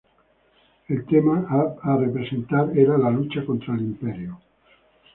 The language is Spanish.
El tema a representar, era la lucha contra el Imperio.